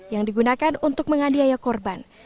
yang digunakan untuk menganiaya korban